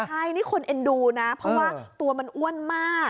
ใช่นี่คนเอ็นดูนะเพราะว่าตัวมันอ้วนมาก